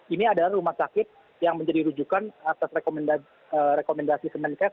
ini adalah rumah sakit yang menjadi rujukan atas rekomendasi kemenkes